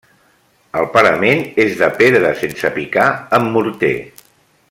El parament és de pedra sense picar amb morter.